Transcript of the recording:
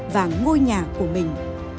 và ngôi nhà của mình